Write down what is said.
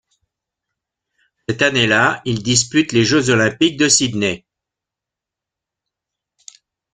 Cette année-là, il dispute les Jeux olympiques de Sydney.